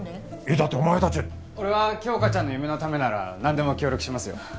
えっだってお前達俺は杏花ちゃんの夢のためなら何でも協力しますよ